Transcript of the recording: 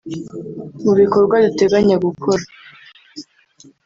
Mu bikorwa duteganya gukora